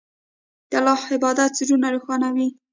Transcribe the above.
د الله عبادت زړونه روښانوي.